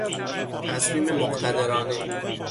تصمیم مقتدرانه